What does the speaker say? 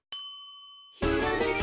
「ひらめき」